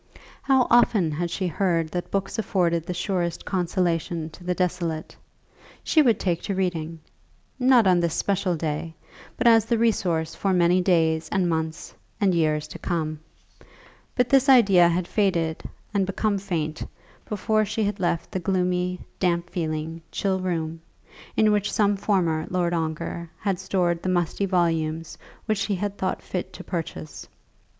How often had she heard that books afforded the surest consolation to the desolate. She would take to reading; not on this special day, but as the resource for many days and months, and years to come. But this idea had faded and become faint, before she had left the gloomy, damp feeling, chill room, in which some former Lord Ongar had stored the musty volumes which he had thought fit to purchase.